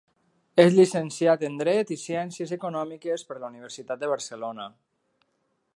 És llicenciat en dret i ciències econòmiques per la Universitat de Barcelona.